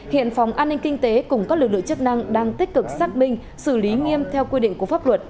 hiện phòng an ninh kinh tế cùng các lực lượng chức năng đang tích cực xác minh xử lý nghiêm theo quy định của pháp luật